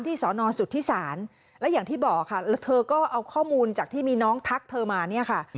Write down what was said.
สอนอสุทธิศาลและอย่างที่บอกค่ะแล้วเธอก็เอาข้อมูลจากที่มีน้องทักเธอมาเนี่ยค่ะ